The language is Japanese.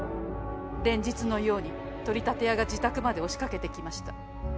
「連日のように取り立て屋が自宅まで押しかけてきました。